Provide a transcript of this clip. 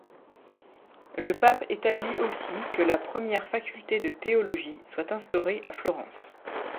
Le pape établit aussi que la première faculté de théologie soit instaurée à Florence.